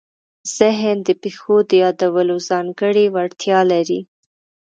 ذهن د پېښو د یادولو ځانګړې وړتیا لري.